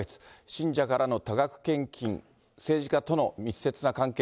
信者からの多額献金、政治家との密接な関係。